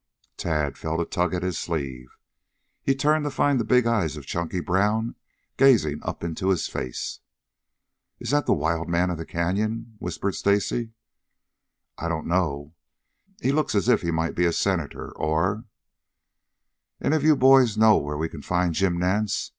Tad felt a tug at his sleeve. He turned to find the big eyes of Chunky Brown gazing up into his face. "Is that the Wild Man of the Canyon?" whispered Stacy. "I don't know. He looks as if he might be a Senator, or " "Any of you boys know where we can find Jim Nance?"